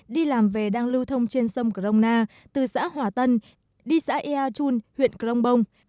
đi làm về đang lưu thông trên sông crong na từ xã hòa tân đi xã ea chun huyện crong bong